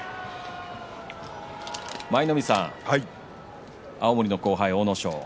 舞の海さん、青森の後輩の阿武咲。